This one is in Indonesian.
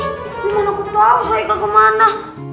gimana aku tau seikl kemana